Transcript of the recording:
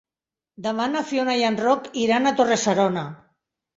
Demà na Fiona i en Roc iran a Torre-serona.